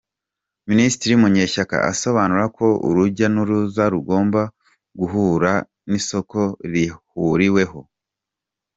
Minisitiri Munyeshyaka asobanura ko urujya n’uruza rugomba guhura n’isoko rihuriweho.